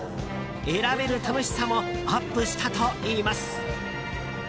選べる楽しさもアップしたといいます。